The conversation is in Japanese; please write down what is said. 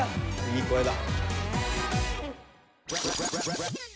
いい声だ！